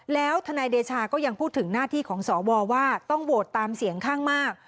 แล้วทนายเดชาก็ยังพูดถึงหน้าที่ของสวว่าต้องโหวตตามเสียงข้างมาก